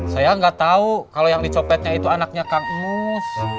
saya gak tau kalo yang dicopetnya itu anaknya kangmus